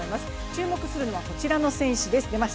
注目するのは、こちらの選手です